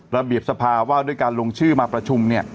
ระเบียบสภาว่าด้วยการลงชื่อมาประชุมเนี่ย